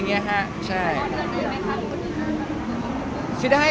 เงี้ยฮะใช่